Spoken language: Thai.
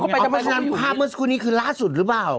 เพราะฉะนั้นภาพเมื่อสักครู่นี้คือล่าสุดหรือเปล่า